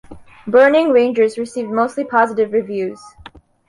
"Burning Rangers" received mostly positive reviews.